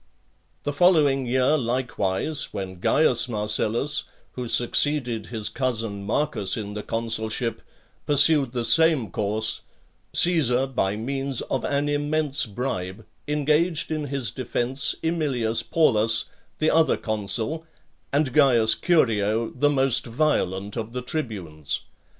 The following year likewise, when Caius Marcellus, who succeeded his cousin Marcus in the consulship, pursued the same course, Caesar, by means of an immense bribe, engaged in his defence Aemilius Paulus, the other consul, and Caius Curio, the most violent of the tribunes.